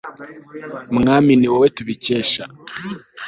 mwami ni wowe tubikesha